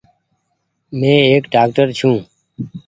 مين ايڪ ڊآڪٽر ڇون ۔